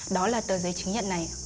đó là tờ giấy chứng nhận này